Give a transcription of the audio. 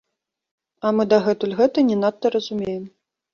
А мы дагэтуль гэта не надта разумеем.